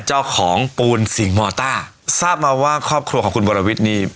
เจ้าของปูนสิงหมอต้าทราบมาว่าครอบครัวของคุณวรวิทย์นี่